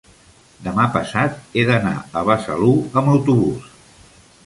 demà passat he d'anar a Besalú amb autobús.